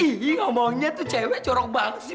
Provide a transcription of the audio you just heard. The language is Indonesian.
ih ngomongnya tuh cewek corok banget sih